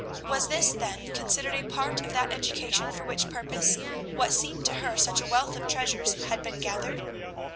Was this, then, considered a part of that education for which purpose what seemed to her such a wealth of treasures had been gathered?